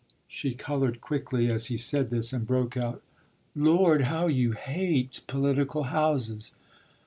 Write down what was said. She coloured quickly as he said this, and broke out: "Lord, how you hate political houses!"